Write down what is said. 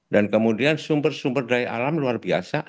dan kemudian sumber sumber daya alam luar biasa